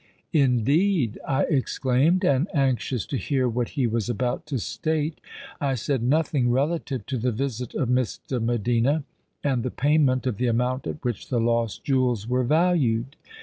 _'—'Indeed!' I exclaimed: and, anxious to hear what he was about to state, I said nothing relative to the visit of Miss de Medina and the payment of the amount at which the lost jewels were valued.